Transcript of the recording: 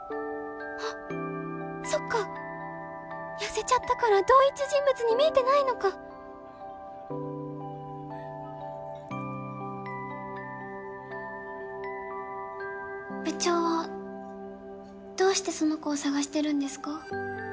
あっそっか痩せちゃったから同一人物に見えてないのか部長はどうしてその子を探してるんですか？